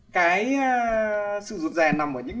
cái sự rụt rè nằm ở những nhà quản lý